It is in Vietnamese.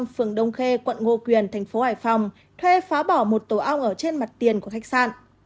phường đông khê quận ngô quyền thành phố hải phòng thuê phá bỏ một tổ ong ở trên mặt tiền của khách sạn